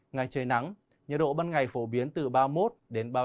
ngày trời nắng nhiệt độ ban ngày phổ biến từ ba mươi một ba mươi ba độ cùng bộ có nơi cao hơn